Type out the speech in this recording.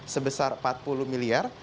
sebesar empat puluh miliar